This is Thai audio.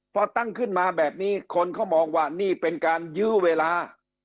พอตั้งขึ้นมาแบบนี้คนเขามองว่านี่เป็นการยื้อเวลา